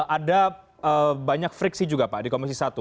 ada banyak friksi juga pak di komisi satu